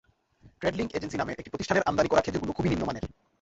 Trade Link Agency নামের একটি প্রতিষ্ঠানের আমদানি করা খেজুরগুলো খুবই নিম্নমানের।